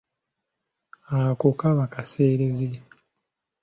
Ako kaba kaseerezi.